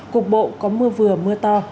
cuộc bộ có mưa vừa mưa to